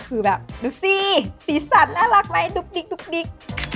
คือแบบดูสิสีสันน่ารักไหมดุ๊กดิ๊ก